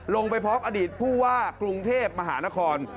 ลงไปพร้อมอดีตผู้ว่ากรุงเทพมหานคร